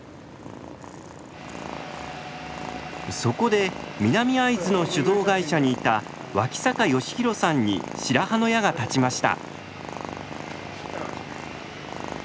そこで南会津の酒造会社にいた脇坂斉弘さんに白羽の矢が立ちました。